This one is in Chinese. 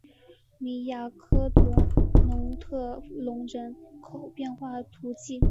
米亚克德农特龙人口变化图示